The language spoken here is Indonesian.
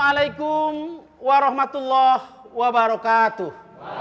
waalaikumsalam warahmatullah wabarakatuh